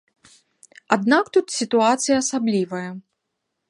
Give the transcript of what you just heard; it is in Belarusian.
Аднак тут сітуацыя асаблівая.